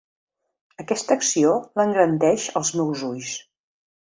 Aquesta acció l'engrandeix als meus ulls.